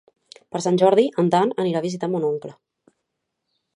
Per Sant Jordi en Dan anirà a visitar mon oncle.